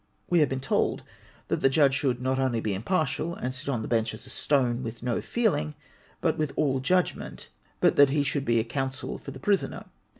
We have been told that the judge should not only be impartial, and sit on the bench as a stone, with no feeling, but with all judgment, but that he should be a counsel for the prisoner.